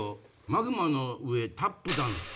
マグマの上タップダンス」。